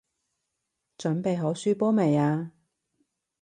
準備好輸波未啊？